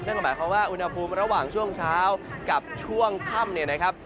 นั่นก็หมายความว่าอุณหภูมิระหว่างช่วงเช้ากับช่วงค่ำเนี่ยนะครับ